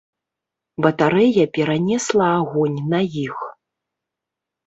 Батарэя перанесла агонь на іх.